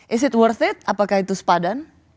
is it worth it apakah itu sepadan